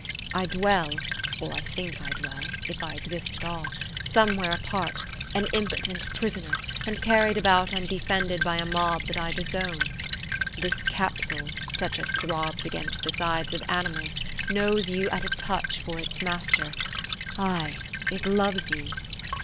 I dwell, or I think I dwell (if I exist at all), somewhere apart, an impotent prisoner, and carried about and deafened by a mob that I disown. This capsule, such as throbs against the sides of animals, knows you at a touch for its master; ay, it loves you!